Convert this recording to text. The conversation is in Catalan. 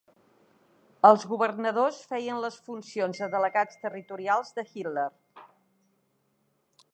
Els governadors feien les funcions de delegats territorials de Hitler.